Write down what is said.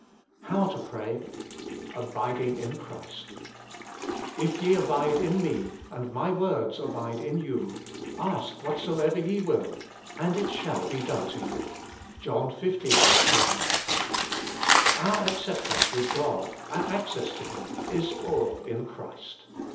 HOW TO PRAY. ^billing in (Kljrist "If ye abide in Me, and My words abide in you, ask whatso ever ye will, and it shall be done to you." Joiix xv. 7. Our acceptance with God, our access to Him, is all in Christ.